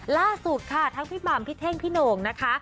ล่าสุดค่ะทั้งพี่หม่ำพี่เท่งพี่โหน่งนะคะ